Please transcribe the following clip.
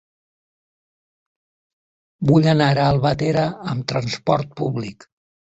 Vull anar a Albatera amb transport públic.